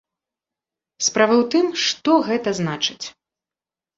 Справа ў тым, што гэта значыць?